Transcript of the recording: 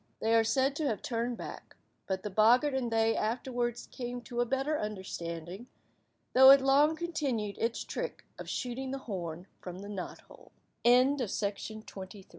They are said to have turned back, but the boggart and they afterwards came to a better understanding, though it long continued its trick of shooting the horn from the